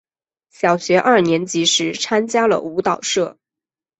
小学二年级时参加了舞蹈社。